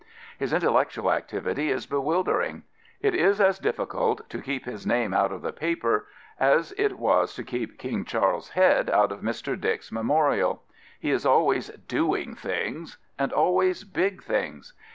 His intellectual activity is bewildering. It is as difficult to keep his name out of the paper as it was to keep King Charles's head out of Mr. Dick's memo rial. He is always " doing things "— and always big things.